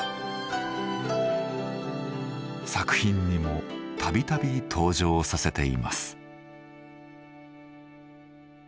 作品にも度々登場させています。